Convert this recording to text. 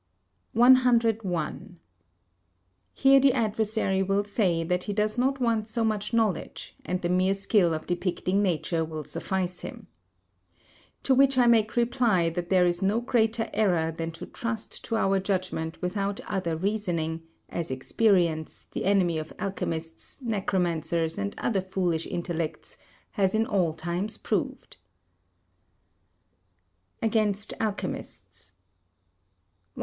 101. Here the adversary will say that he does not want so much knowledge, and the mere skill of depicting nature will suffice him. To which I make reply that there is no greater error than to trust to our judgement without other reasoning, as experience, the enemy of alchemists, necromancers and other foolish intellects, has in all times proved. [Sidenote: Against Alchemists] 102.